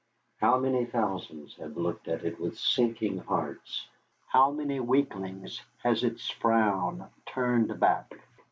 How many thousands have looked at it with sinking hearts! How many weaklings has its frown turned back!